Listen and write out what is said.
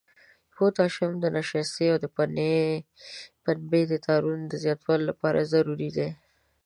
پوتاشیم د نشایستې او پنبې د تارونو د زیاتوالي لپاره ضروري دی.